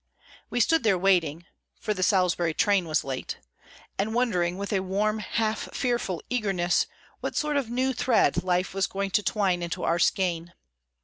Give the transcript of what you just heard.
We stood there waiting (for the Salisbury train was late), and wondering with a warm, half fearful eagerness what sort of new thread Life was going to twine into our skein.